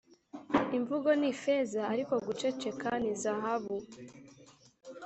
imvugo ni ifeza ariko guceceka ni zahabu.